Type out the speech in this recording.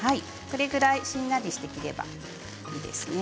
これぐらいしんなりすればいいですね。